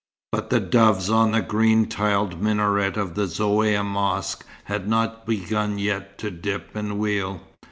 But the doves on the green tiled minaret of the Zaouïa mosque had not begun yet to dip and wheel.